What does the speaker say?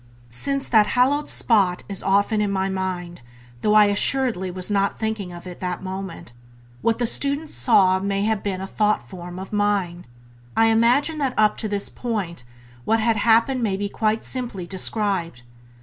Since that hallowed spot is often in my mind, though I assuredly was not thinking of it at that moment, what the student saw may have been a thought form of mine. I imagine that up to this point what had happened may be quite simply described.